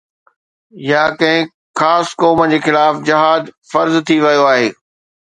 يا ڪنهن خاص قوم جي خلاف جهاد فرض ٿي ويو آهي